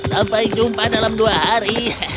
sampai jumpa dalam dua hari